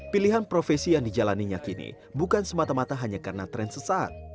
pilihan profesi yang dijalani minyak ini bukan semata mata hanya karena trend sesat